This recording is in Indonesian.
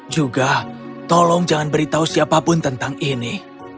juga tolong jangan beritahu siapapun tentang ini